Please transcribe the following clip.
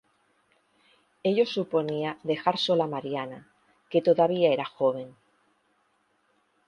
Ello suponía dejar sola a Marina, que todavía era joven.